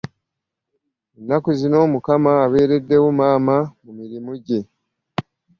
Ennaku zino mukama aberedewo maama mu mirimu gye.